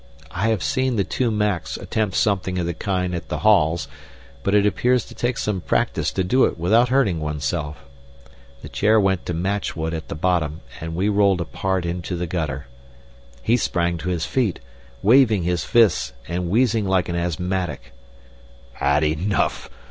I have seen the two Macs attempt something of the kind at the halls, but it appears to take some practise to do it without hurting oneself. The chair went to matchwood at the bottom, and we rolled apart into the gutter. He sprang to his feet, waving his fists and wheezing like an asthmatic. "Had enough?"